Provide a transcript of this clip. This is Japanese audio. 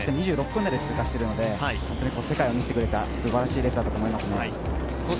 ２６分台で通過しているので、本当に世界を見せてくれたすばらしいレースだったと思います。